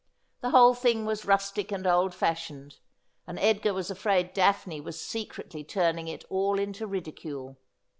The whole thing was rustic and old fashioned and Edgar was afraid Daphne was secretly turning it all into ridicule.